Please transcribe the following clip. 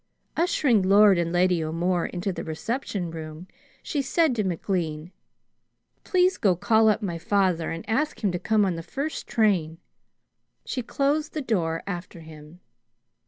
Ushering Lord and Lady O'More into the reception room, she said to McLean, "Please go call up my father and ask him to come on the first train." She closed the door after him.